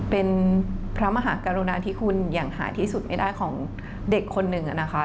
เป็นพระมหากรุณาที่คุณอย่างหาที่สุดไม่ได้ของเด็กคนหนึ่งนะคะ